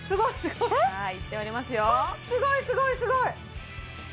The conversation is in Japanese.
よわっすごいすごいすごい！